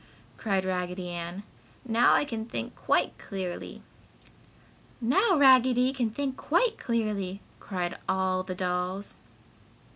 cried Raggedy Ann. "Now I can think quite clearly." "Now Raggedy can think quite clearly!" cried all the dolls.